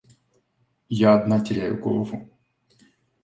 Я одна теряю голову.